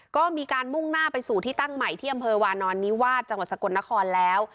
ก็มีการมุ่งหน้าไปสู่ที่ตั้งใหม่ที่อำเภอวานอนนิวาสจังหวัดสกลนครแล้ว